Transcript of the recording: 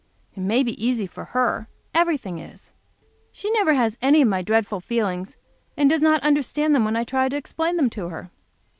It may be easy for her; everything is. She never has any of my dreadful feelings, and does not understand them when I try to explain them to her.